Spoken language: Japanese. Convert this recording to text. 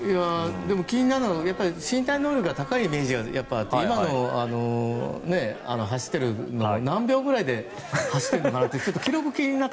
気になるのは身体能力が高いイメージがあって走っているのも何秒くらいで走っているのかなって記録が気になって。